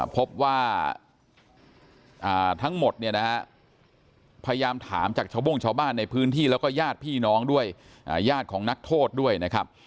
พบว่าทั้งหมดเนี่ยนะฮะพยายามถามจากชาวโบ้งชาวบ้านในพื้นที่แล้วก็ญาติพี่น้องด้วยญาติของนักโทษด้วยนะครับ